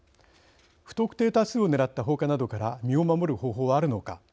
不特定多数を狙った放火などから身を守る方法はあるのか。